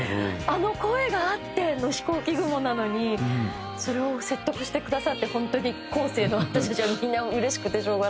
あの声があっての『ひこうき雲』なのにそれを説得してくださって本当に後世の私たちはみんなうれしくてしょうがないですけど。